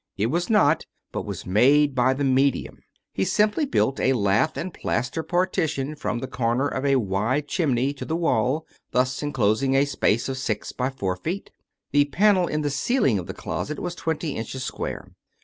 It was not, but was made by the me dium. He simply built a lath and plaster partition from the comer of a wide chimney to the wall, thus inclosing a space of six by four feet. The panel in the ceiling of the closet was twenty inches square.